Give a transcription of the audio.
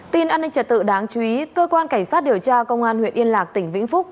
tin an ninh trật tự đáng chú ý cơ quan cảnh sát điều tra công an huyện yên lạc tỉnh vĩnh phúc